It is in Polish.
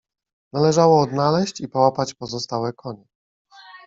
Należało odnaleźć i połapać pozostałe konie.